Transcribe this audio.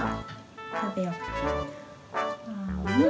たべよう。